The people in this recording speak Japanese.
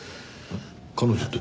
彼女って？